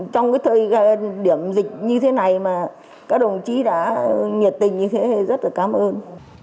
trong cái thời điểm dịch như thế này mà các đồng chí đã nhiệt tình như thế rất là cảm ơn